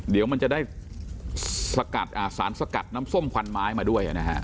เดี๋ยวมันจะได้สกัดสารสกัดน้ำส้มควันไม้มาด้วยนะฮะ